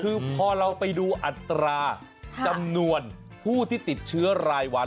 คือพอเราไปดูอัตราจำนวนผู้ที่ติดเชื้อรายวัน